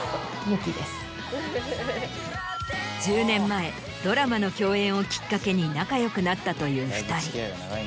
１０年前ドラマの共演をきっかけに仲良くなったという２人。